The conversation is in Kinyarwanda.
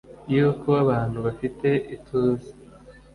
Yuko abantu bafite ituze